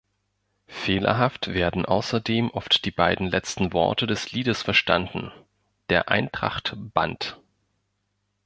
Fehlerhaft werden außerdem oft die beiden letzten Worte des Liedes verstanden: der Eintracht Band.